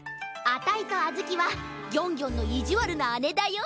あたいとあずきはギョンギョンのいじわるなあねだよ。